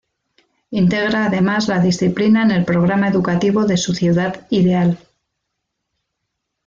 Integra además la disciplina en el programa educativo de su ciudad ideal.